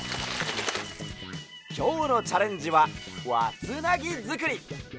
きょうのチャレンジはわつなぎづくり！